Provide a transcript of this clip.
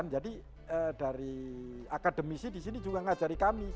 jadi dari akademisi di sini juga ngajari kami